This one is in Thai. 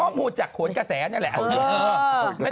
ข้อมูลจากขวนกระแสเนี่ยแหละ